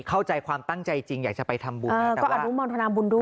เข้าใจความตั้งใจจริงอยากจะไปทำบุญก็อนุโมทนาบุญด้วย